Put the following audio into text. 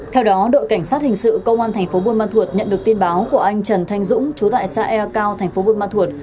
theo đó đội cảnh sát hình sự công an thành phố buôn ma thuột nhận được tin báo của anh trần thanh dũng chú tại xã ea cao thành phố buôn ma thuột